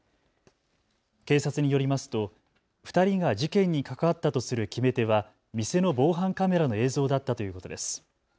警察によりますと２人が事件に関わったとする決め手は店の防犯カメラの映像だったということです。